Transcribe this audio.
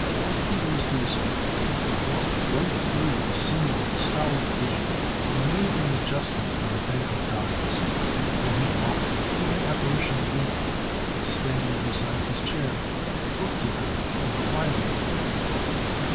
He rose to his feet, walked right through the seemingly solid vision and made an adjustment on a bank of dials. Then he walked through the apparition again and, standing beside his chair, looked at her inquiringly.